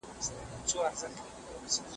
زه د کتابتون کتابونه لوستي دي؟